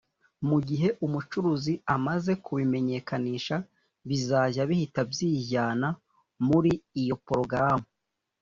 mu gihe umucuruzi amaze kubimenyekanisha bizajya bihita byijyana muri iyo porogaramu